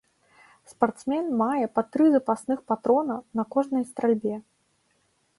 Спартсмен мае па тры запасных патрона на кожнай стральбе.